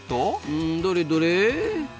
うんどれどれ？